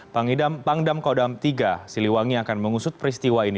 pangdam kodam tiga siliwangi akan mengusut peristiwa ini